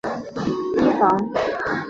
提防